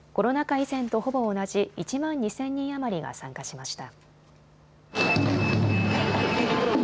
以前とほぼ同じ１万２０００人余りが参加しました。